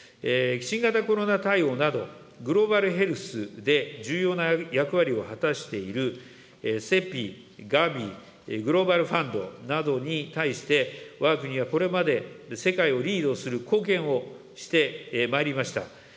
新型コロナ対応など、グローバルヘルスで重要な役割を果たしている、ＣＥＰＩ、Ｇａｖｉ、グローバル・ファンドなどに対して、わが国はこれまで、世界をリードする貢献をしてまいりました。